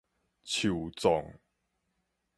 樹葬